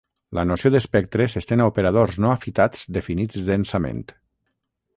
La noció d'espectre s'estén a operadors no afitats definits densament.